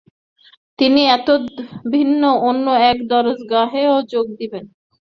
তিনি এতদ্ভিন্ন অন্য এক দরসগাহে ও যোগ দিতেন।